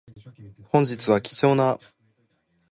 本日は貴重な